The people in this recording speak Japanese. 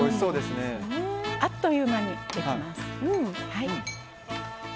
あっという間にできます。